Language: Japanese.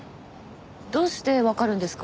どうしてわかるんですか？